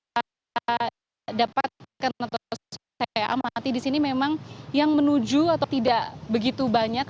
saya dapatkan atau saya amati di sini memang yang menuju atau tidak begitu banyak